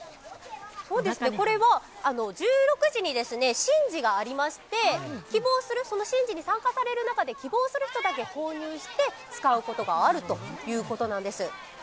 これは、１６時に神事がありまして希望する人だけ購入して使うことがあるということなんです。